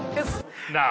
なあ。